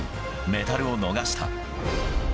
メダルを逃した。